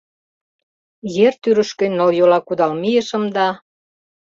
Ер тӱрышкӧ нылйола кудал мийышым да...